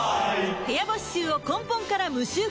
部屋干し臭を根本から無臭化